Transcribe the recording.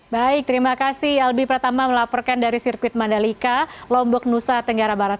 baik terima kasih albi pratama melaporkan dari sirkuit mandalika lombok nusa tenggara barat